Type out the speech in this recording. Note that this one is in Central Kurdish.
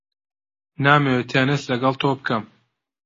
نامەوێت تێنس لەگەڵ تۆ بکەم.